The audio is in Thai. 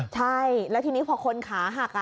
ใช่แล้วทีนี้พอคนขาหัก